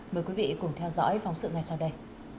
mời quý vị cùng theo dõi phóng sự ngay sau đây